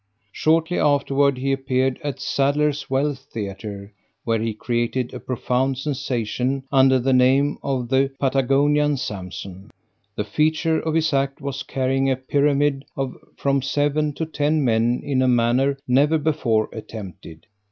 Shortly afterward he appeared at Sadler's Wells Theater, where he created a profound sensation, under the name of The Patagonian Samson. The feature of his act was carrying a pyramid of from seven to ten men in a manner never before attempted.